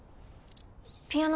ピアノ